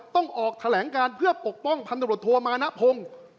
ต้องออกแถลงการเพื่อปกป้องพันฑ์โดรจโทษมานัพพงฯ